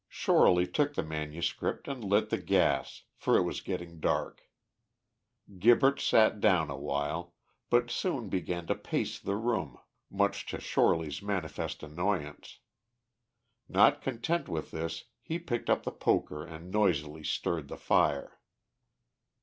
Shorely took the manuscript and lit the gas, for it was getting dark. Gibberts sat down awhile, but soon began to pace the room, much to Shorely's manifest annoyance. Not content with this, he picked up the poker and noisily stirred the fire.